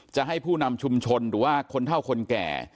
จะให้ผู้นำชุมชนหรือว่าคนเท่าคนแก่